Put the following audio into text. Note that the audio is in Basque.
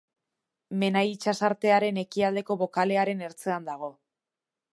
Menai itsasartearen ekialdeko bokalearen ertzean dago.